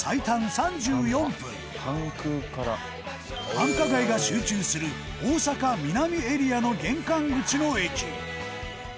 繁華街が集中する大阪ミナミエリアの玄関口の駅